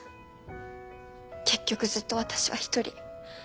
結局ずっと私は一人。